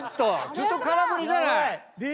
ずっと空振りじゃない！